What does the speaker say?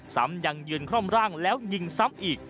ซ้ำยังยืนคร่อมร่างแล้วยิงซ้ำอีก